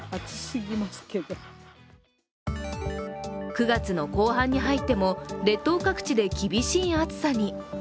９月の後半に入っても列島各地で厳しい暑さに。